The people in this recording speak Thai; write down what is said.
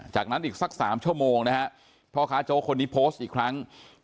จากนั้นอีกสัก๓ชั่วโมงนะฮะพ่อค้าโจ๊กคนนี้โพสต์อีกครั้ง